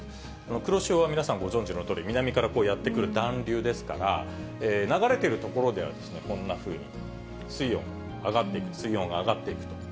黒潮は皆さん、ご存じのとおり南からやって来る暖流ですから、流れてるところではこんなふうに、水温、上がっていく、水温が上がっていくと。